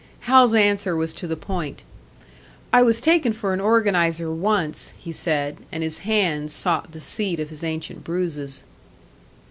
Hal's answer was to the point. "I was taken for an organiser once," he said, and his hands sought the seat of his ancient bruises.